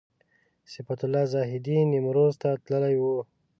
صفت الله زاهدي نیمروز ته تللی و.